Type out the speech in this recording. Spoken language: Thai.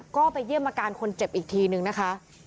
ก็ไปเยี่ยมอาการคนเจ็บอีกทีนึงนะคะ